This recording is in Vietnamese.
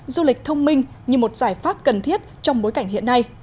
du lịch thông minh như một giải pháp cần thiết trong bối cảnh hiện nay